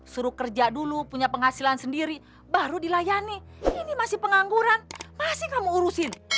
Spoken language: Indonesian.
suruh kerja dulu punya penghasilan sendiri baru dilayani ini masih pengangguran masih kamu urusin